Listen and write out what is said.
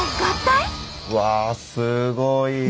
うわすごい！